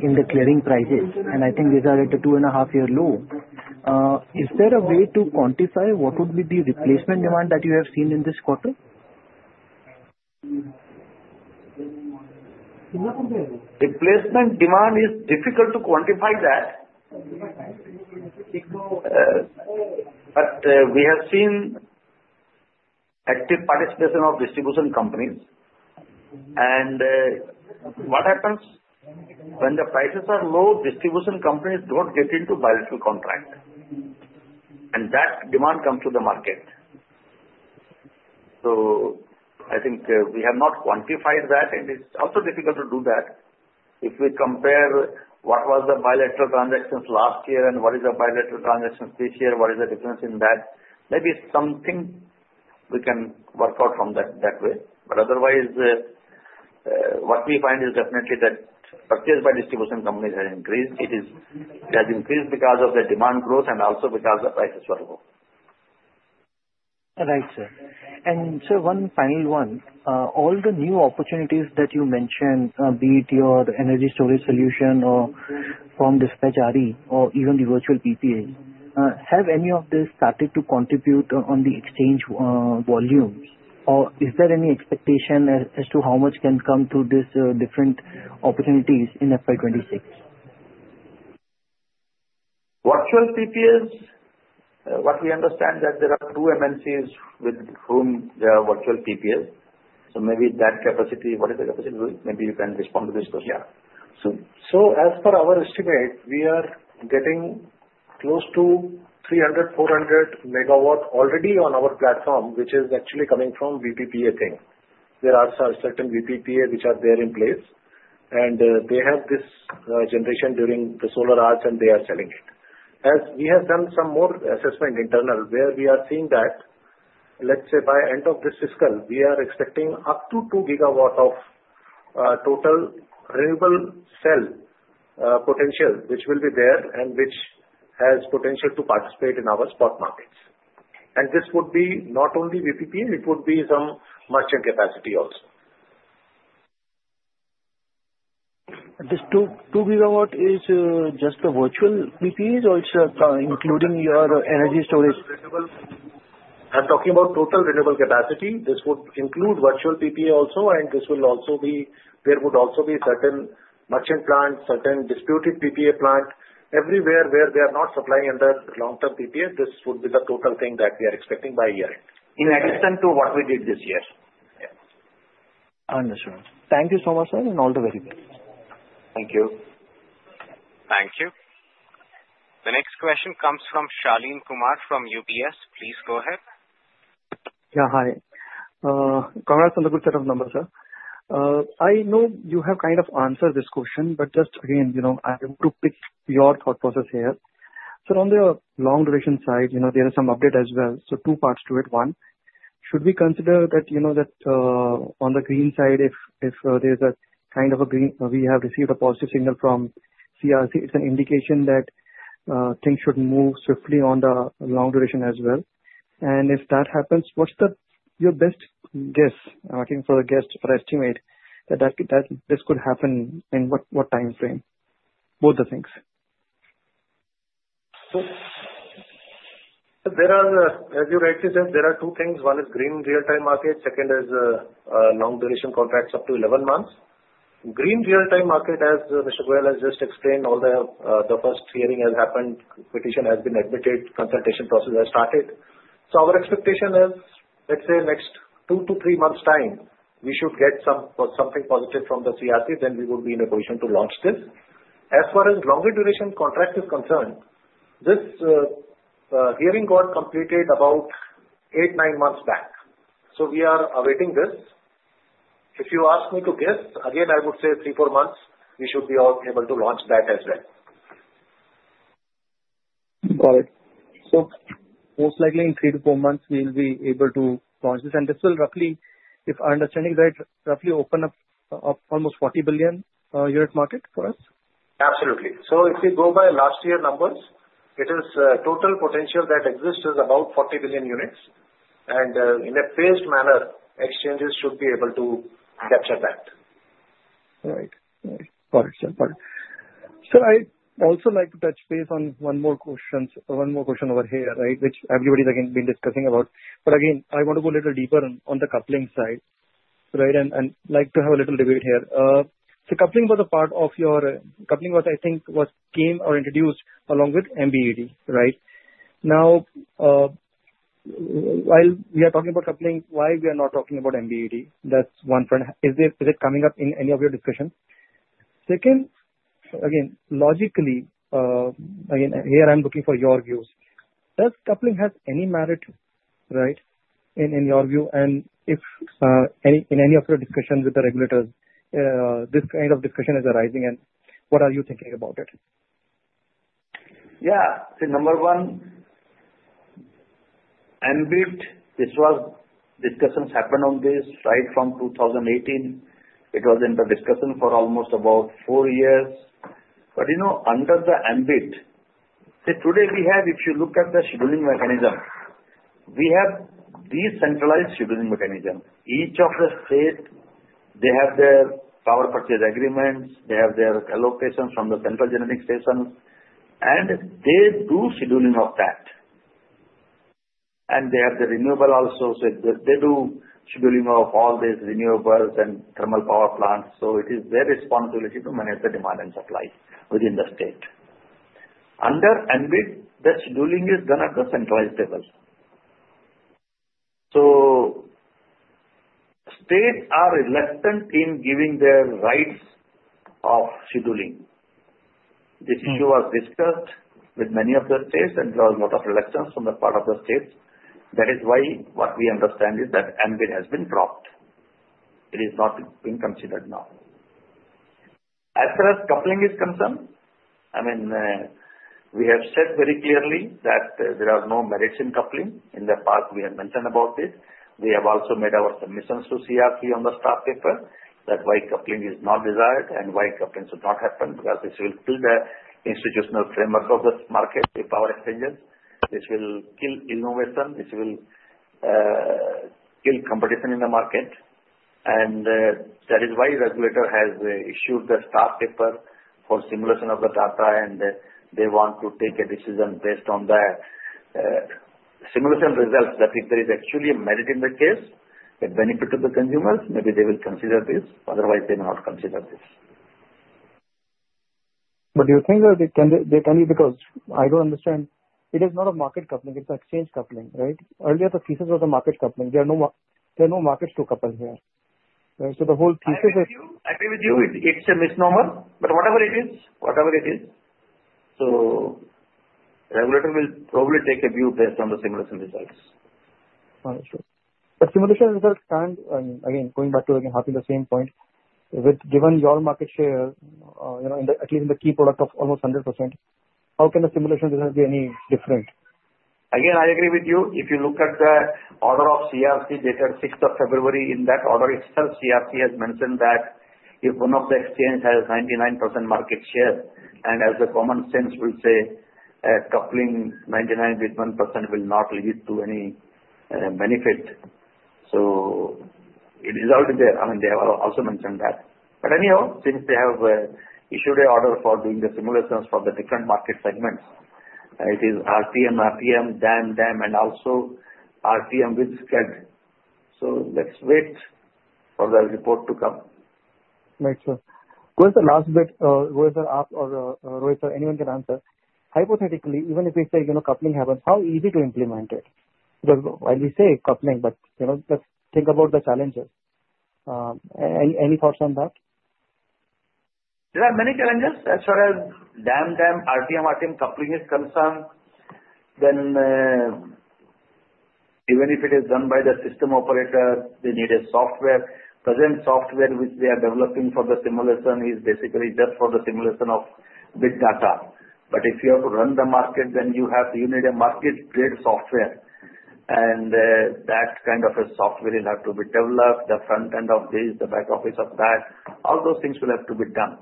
in the clearing prices, and I think these are at a two-and-a-half-year low, is there a way to quantify what would be the replacement demand that you have seen in this quarter? Replacement demand is difficult to quantify, that. But we have seen active participation of distribution companies. And what happens when the prices are low, distribution companies don't get into bilateral contract. And that demand comes to the market. So I think we have not quantified that, and it's also difficult to do that. If we compare what was the bilateral transactions last year and what is the bilateral transactions this year, what is the difference in that? Maybe something we can work out from that way. But otherwise, what we find is definitely that purchase by distribution companies has increased. It has increased because of the demand growth and also because the prices were low. Right, sir. And sir, one final one. All the new opportunities that you mentioned, be it your energy storage solution or from dispatch RE or even the virtual PPA, have any of these started to contribute on the exchange volume? Or is there any expectation as to how much can come through these different opportunities in FY26? Virtual PPAs, what we understand is that there are two MNCs with whom there are virtual PPAs. So maybe that capacity, what is the capacity? Maybe you can respond to this question. Yeah. As per our estimate, we are getting close to 300-400 megawatts already on our platform, which is actually coming from VPPA thing. There are certain VPPAs which are there in place, and they have this generation during the solar hours, and they are selling it. As we have done some more assessment internal where we are seeing that, let's say by end of this fiscal, we are expecting up to 2 GW of total renewable sell potential which will be there and which has potential to participate in our spot markets. This would be not only VPPA, it would be some merchant capacity also. This 2 GW is just the virtual PPAs, or it's including your energy storage? I'm talking about total renewable capacity. This would include virtual PPA also, and this will also be there would also be certain merchant plants, certain disputed PPA plants, everywhere where they are not supplying under long-term PPA, this would be the total thing that we are expecting by year-end. In addition to what we did this year. Understood. Thank you so much, sir, and all the very best. Thank you. Thank you. The next question comes from Shaleen Kumar from UBS. Please go ahead. Yeah, hi. Congrats on the good set of numbers, sir. I know you have kind of answered this question, but just again, I want to pick your thought process here. Sir, on the long duration side, there is some update as well. So two parts to it. One, should we consider that on the green side, if there's a kind of a green we have received a positive signal from CERC, it's an indication that things should move swiftly on the long duration as well. And if that happens, what's your best guess? I'm looking for the guess for estimate that this could happen in what time frame? Both the things. As you rightly said, there are two things. One is green real-time market. Second is long duration contracts up to 11 months. Green real-time market, as Mr. Goel has just explained, the first hearing has happened, petition has been admitted, consultation process has started. Our expectation is, let's say, next two to three months' time, we should get something positive from the CERC, then we would be in a position to launch this. As far as longer duration contract is concerned, this hearing got completed about eight, nine months back. We are awaiting this. If you ask me to guess, again, I would say three, four months, we should be able to launch that as well. Got it. So most likely in three to four months, we will be able to launch this. And this will roughly, if I'm understanding right, roughly open up almost 40 billion units market for us? Absolutely. So if we go by last year's numbers, it is total potential that exists is about 40 billion units. And in a phased manner, exchanges should be able to capture that. Right. Got it, sir. Got it. Sir, I'd also like to touch base on one more question over here, right, which everybody's again been discussing about. But again, I want to go a little deeper on the coupling side, right, and like to have a little debate here. So coupling was a part of your, I think, what came or introduced along with MBED, right? Now, while we are talking about coupling, why we are not talking about MBED? That's one point. Is it coming up in any of your discussion? Second, again, logically, again, here I'm looking for your views. Does coupling have any merit, right, in your view? And if in any of your discussion with the regulators, this kind of discussion is arising, and what are you thinking about it? Yeah. See, number one, this was discussions happened on this right from 2018. It was in the discussion for almost about four years. But under the MBED, see, today we have, if you look at the scheduling mechanism, we have decentralized scheduling mechanism. Each of the states, they have their power purchase agreements, they have their allocations from the central generating stations, and they do scheduling of that. And they have the renewable also. So they do scheduling of all these renewables and thermal power plants. So it is their responsibility to manage the demand and supply within the state. Under MBED, the scheduling is done at the centralized level. So states are reluctant in giving their rights of scheduling. This issue was discussed with many of the states, and there was a lot of reluctance from the part of the states. That is why what we understand is that MBED has been dropped. It is not being considered now. As far as coupling is concerned, I mean, we have said very clearly that there are no merits in coupling. In the past, we have mentioned about this. We have also made our submissions to CERC on the staff paper that why coupling is not desired and why coupling should not happen because this will kill the institutional framework of this market, the power exchanges. This will kill innovation. This will kill competition in the market. And that is why the regulator has issued the staff paper for simulation of the data, and they want to take a decision based on the simulation results that if there is actually a merit in the case, the benefit to the consumers, maybe they will consider this. Otherwise, they will not consider this. But do you think that there can be, because I don't understand. It is not a market coupling. It's an exchange coupling, right? Earlier, the thesis was a market coupling. There are no markets to couple here. So the whole thesis is. I agree with you. It's a misnomer. But whatever it is, whatever it is, so the regulator will probably take a view based on the simulation results. Understood. But simulation results can't. Again, going back to the same point, given your market share, at least in the key product of almost 100%, how can the simulation result be any different? Again, I agree with you. If you look at the order of CERC dated 6th of February, in that order itself, CERC has mentioned that if one of the exchanges has 99% market share, and as the common sense will say, coupling 99% with 1% will not lead to any benefit. So it is already there. I mean, they have also mentioned that. But anyhow, since they have issued an order for doing the simulations for the different market segments, it is RTM, GDAM, DAM, DAM, and also RTM with SCED. So let's wait for the report to come. Right, sir. Going to the last bit, Rohit sir or Goel sir, anyone can answer. Hypothetically, even if we say coupling happens, how easy to implement it? Because when we say coupling, but let's think about the challenges. Any thoughts on that? There are many challenges. As far as DAM, RTM coupling is concerned, then even if it is done by the system operator, they need a software. Present software which they are developing for the simulation is basically just for the simulation of big data. But if you have to run the market, then you need a market-grade software. And that kind of a software will have to be developed. The front end of this, the back office of that, all those things will have to be done.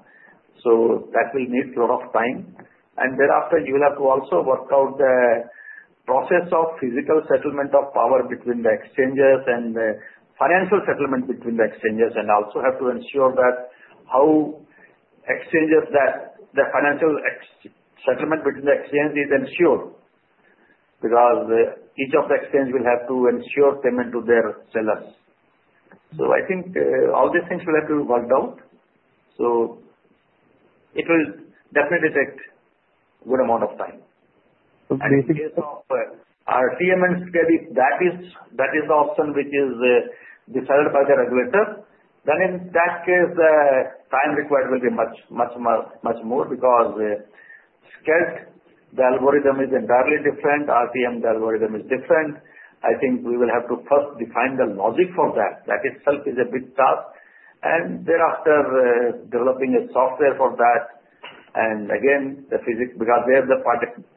So that will need a lot of time. Thereafter, you will have to also work out the process of physical settlement of power between the exchanges and the financial settlement between the exchanges and also have to ensure that how exchanges that the financial settlement between the exchanges is ensured because each of the exchanges will have to ensure payment to their sellers. I think all these things will have to be worked out. It will definitely take a good amount of time. Do you think? In case of RTM and SCED, if that is the option which is decided by the regulator, then in that case, the time required will be much more because SCED, the algorithm is entirely different. RTM, the algorithm is different. I think we will have to first define the logic for that. That itself is a big task, and thereafter, developing a software for that. And again, the physicals because there the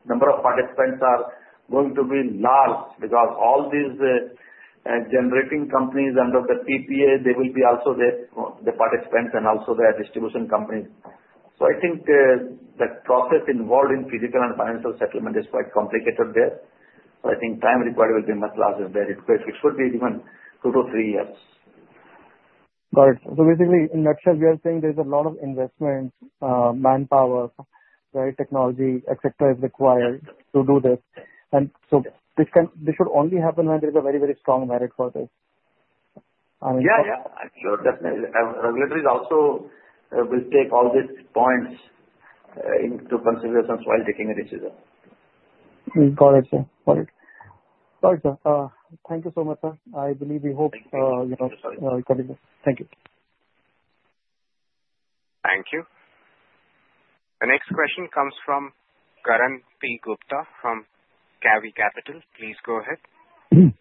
number of participants are going to be large because all these generating companies under the PPA, they will be also the participants and also the distribution companies. So I think the process involved in physical and financial settlement is quite complicated there. So I think time required will be much larger there. It should be given two to three years. Got it. So basically, in a nutshell, we are saying there's a lot of investment, manpower, right, technology, etc., is required to do this. And so this should only happen when there's a very, very strong merit for this. I mean. Yeah, yeah. I'm sure. Definitely. Regulators also will take all these points into consideration while taking a decision. Got it, sir. Thank you so much, sir. I believe we hope. Thank you, sir. Thank you. Thank you. The next question comes from Karan P. Gupta from Cavi Capital. Please go ahead.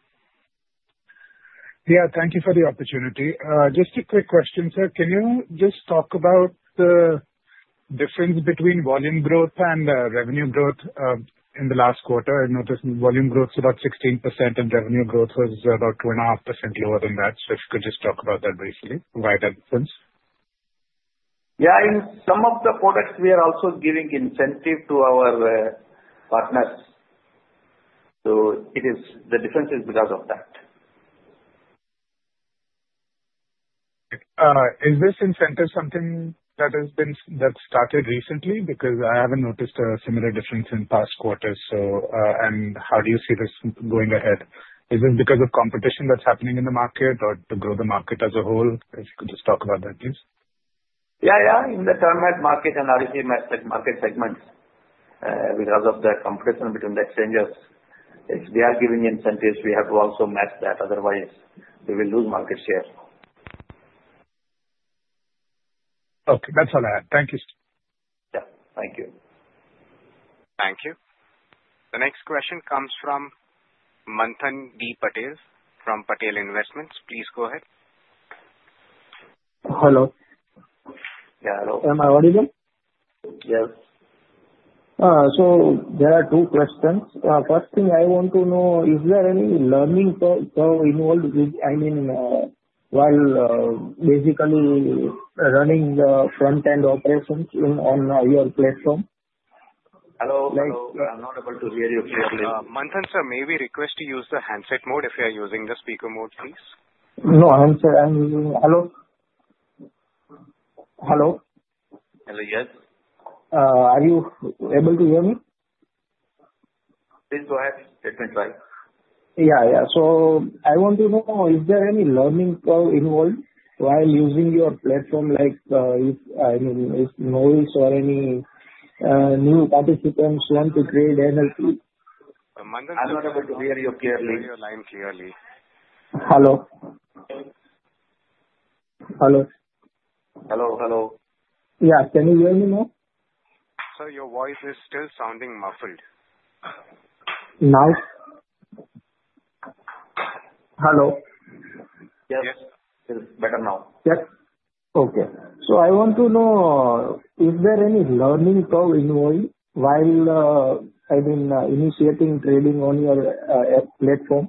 Yeah. Thank you for the opportunity. Just a quick question, sir. Can you just talk about the difference between volume growth and revenue growth in the last quarter? I noticed volume growth is about 16% and revenue growth was about 2.5% lower than that. So if you could just talk about that briefly, why that difference. Yeah. In some of the products, we are also giving incentive to our partners. So the difference is because of that. Is this incentive something that has been started recently? Because I haven't noticed a similar difference in past quarters. And how do you see this going ahead? Is it because of competition that's happening in the market or to grow the market as a whole? If you could just talk about that, please. Yeah, yeah. In the term market and obviously market segments, because of the competition between the exchanges, if they are giving incentives, we have to also match that. Otherwise, they will lose market share. Okay. That's all I had. Thank you, sir. Yeah. Thank you. Thank you. The next question comes from Manthan D. Patel from Patel Investments. Please go ahead. Hello. Yeah, hello. Am I audible? Yes. So there are two questions. First thing, I want to know, is there any learning involved, I mean, while basically running the front-end operations on your platform? Hello. I'm not able to hear you clearly. Manthan, sir, may we request to use the handset mode if you are using the speaker mode, please? No, I'm using hello? Hello? Hello, yes. Are you able to hear me? Please go ahead. It's been trying. Yeah, yeah. So I want to know, is there any learning involved while using your platform? I mean, if novice or any new participants want to create an LP? Manthan, can you hear me? I'm not able to hear you clearly. Can you hear your line clearly? Hello. Hello. Hello, hello. Yeah. Can you hear me now? Sir, your voice is still sounding muffled. Now? Hello. Yes. Yes. It's better now. Yes. Okay. So I want to know, is there any learning involved while, I mean, initiating trading on your platform?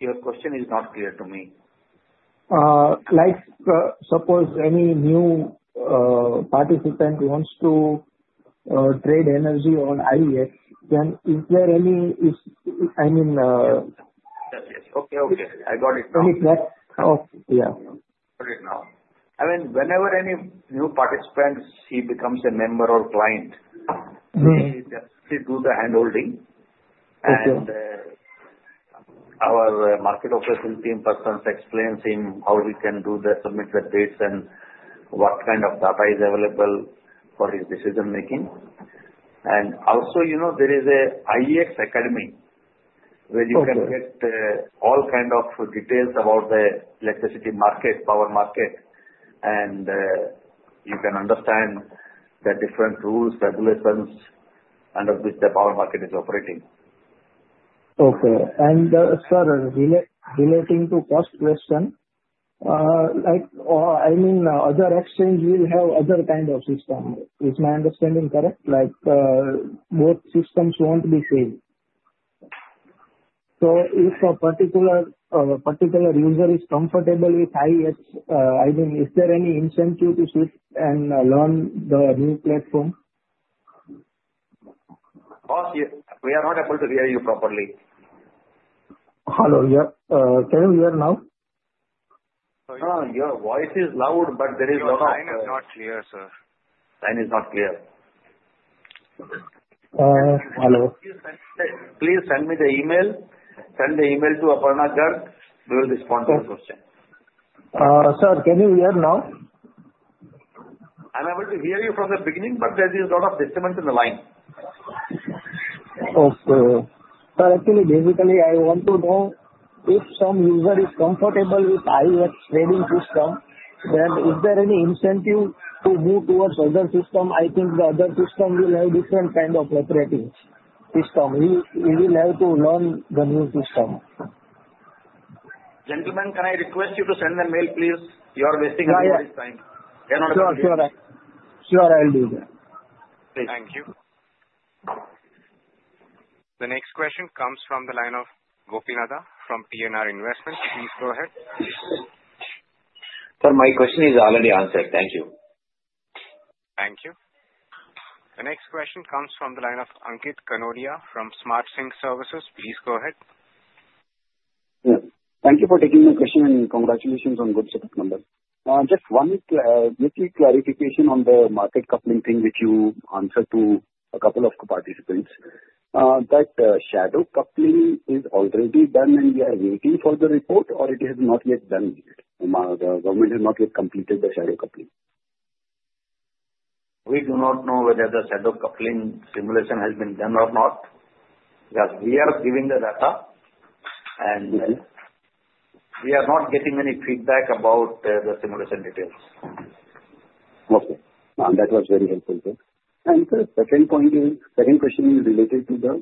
Your question is not clear to me. Like, suppose any new participant wants to trade energy on IEX, then is there any? I mean. Yes, yes. Okay, okay. I got it now. Any trust? Okay. Yeah. Got it now. I mean, whenever any new participant, he becomes a member or client, we definitely do the handholding. And our market office and team persons explains to him how we can do the submit the bids and what kind of data is available for his decision-making. And also, there is an IEX Academy where you can get all kinds of details about the electricity market, power market, and you can understand the different rules, regulations under which the power market is operating. Okay. And, sir, relating to cost question, I mean, other exchanges will have other kinds of systems. Is my understanding correct? Like both systems won't be the same. So if a particular user is comfortable with IEX, I mean, is there any incentive to sit and learn the new platform? Oh, we are not able to hear you properly. Hello. Can you hear now? Your voice is loud, but there is a lot of. No, the line is not clear, sir. Line is not clear. Hello. Please send me the email. Send the email to Aparna Garg. We will respond to the question. Sir, can you hear now? I'm able to hear you from the beginning, but there is a lot of disagreement in the line. Okay. Actually, basically, I want to know if some user is comfortable with IEX trading system, then is there any incentive to move towards other system? I think the other system will have different kinds of operating system. He will have to learn the new system. Gentlemen, can I request you to send them mail, please? You are wasting everybody's time. They are not able to. Sure. Sure. I'll do that. Thank you. The next question comes from the line of Gopinath from PNR Investments. Please go ahead. Sir, my question is already answered. Thank you. Thank you. The next question comes from the line of Ankit Kanodia from Smart Sync Services. Please go ahead. Yes. Thank you for taking my question and congratulations on good set of numbers. Just one quick clarification on the market coupling thing which you answered to a couple of participants. That shadow coupling is already done and we are waiting for the report, or it has not yet done yet? The government has not yet completed the shadow coupling. We do not know whether the shadow coupling simulation has been done or not because we are giving the data and we are not getting any feedback about the simulation details. Okay. That was very helpful. And the second question is related to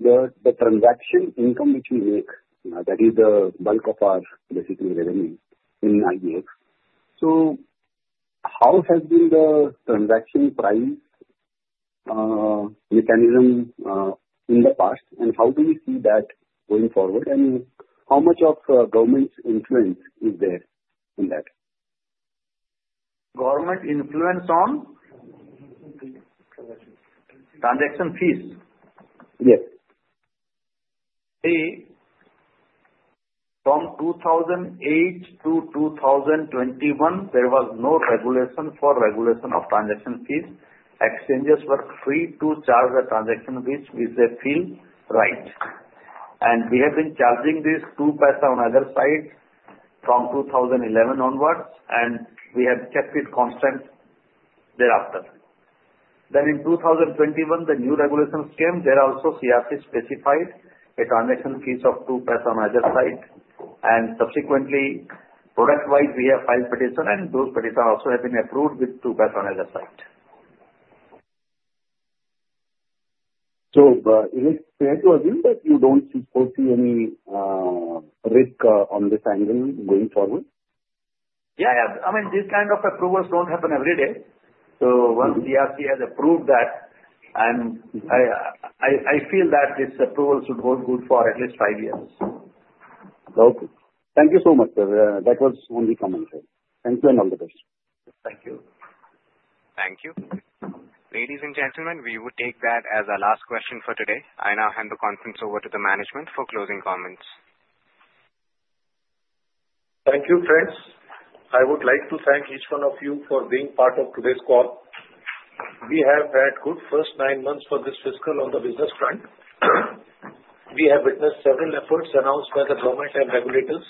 the transaction income which we make. That is the bulk of our basically revenue in IEX. So how has been the transaction price mechanism in the past, and how do we see that going forward, and how much of government's influence is there in that? Government influence on transaction fees? Yes. See, from 2008-2021, there was no regulation for regulation of transaction fees. Exchanges were free to charge a transaction which is a fair right. And we have been charging this 0.02 on either side from 2011 onwards, and we have kept it constant thereafter. Then in 2021, the new regulations came. There are also CERC specified a transaction fees of 0.02 on either side. And subsequently, product-wise, we have filed petition, and those petitions also have been approved with INR 0.02 on either side. So is it fair to assume that you don't see any risk on this angle going forward? Yeah, yeah. I mean, these kinds of approvals don't happen every day. So once CERC has approved that, I feel that this approval should hold good for at least five years. Okay. Thank you so much, sir. That was only commented. Thank you and all the best. Thank you. Thank you. Ladies and gentlemen, we will take that as our last question for today. I now hand the conference over to the management for closing comments. Thank you, friends. I would like to thank each one of you for being part of today's call. We have had good first nine months for this fiscal on the business front. We have witnessed several efforts announced by the government and regulators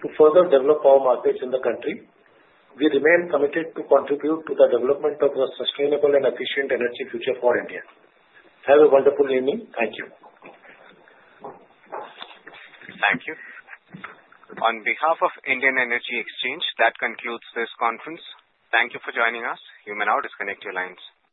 to further develop our markets in the country. We remain committed to contribute to the development of a sustainable and efficient energy future for India. Have a wonderful evening. Thank you. Thank you. On behalf of Indian Energy Exchange, that concludes this conference. Thank you for joining us. You may now disconnect your lines.